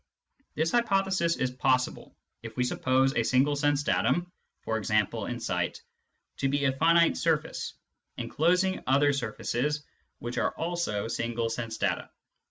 This hypothesis is possible, if we suppose a single sense datum, e.g. in sight, to be a finite surface, enclosing other surfaces which are also single sense data.